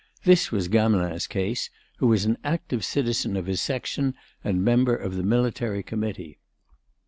This was Gamelin's case, who was an active citizen of his Section and member of the Military Committee.